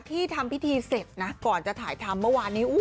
ที่ทำพิธีเสร็จนะก่อนจะถ่ายทำเมื่อวานนี้